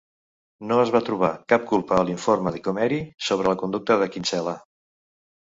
no es va trobar cap culpa a l'informe de Gomery sobre la conducta de Kinsella.